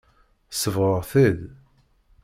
Sebɣeɣ-t-id.